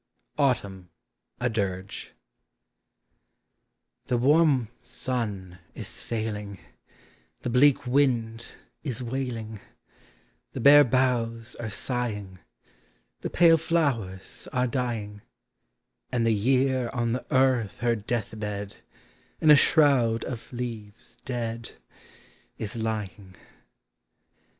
AUTUMN: A DIRGE. The warm sun is failing, the bleak wind is wail ing, The bare boughs are sighing, the pale flowers are dying, And the year On the earth her deathbed, in a shroud of leaves dead, Is lying.